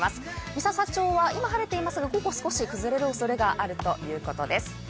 三朝町は今晴れていますが、午後は少し崩れるおそれがあるということです。